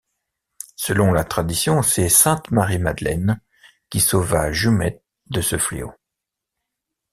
Selon la tradition, c'est sainte Marie-Madeleine qui sauva Jumet de ce fléau.